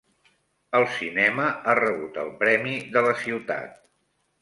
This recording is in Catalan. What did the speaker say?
El cinema ha rebut el Premi de la Ciutat.